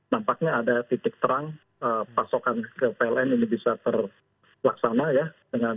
nampaknya ada titik terang pasokan ke pln ini bisa terlaksana ya